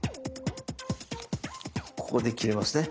ここで切れますね。